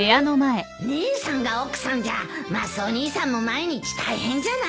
・姉さんが奥さんじゃマスオ兄さんも毎日大変じゃない？